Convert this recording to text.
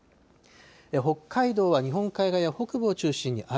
北海道は日本海側や北部を中心に雨。